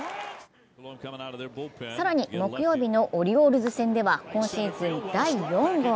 更に木曜日のオリオールズ戦では今シーズン第４号。